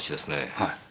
はい。